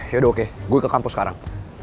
yaudah oke gue ke kampus sekarang